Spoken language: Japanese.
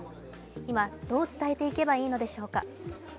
今、どう伝えていけばいいのでしょうか。